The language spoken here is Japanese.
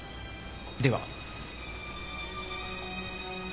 では。